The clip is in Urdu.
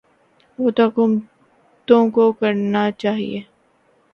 وہ تو حکومتوں کو کرنا چاہیے۔